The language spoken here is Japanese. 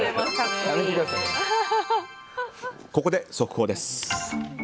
ここで速報です。